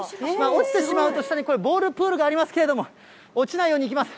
落ちてしまうと下にこれ、ボールプールがありますけれども、落ちないようにいきます。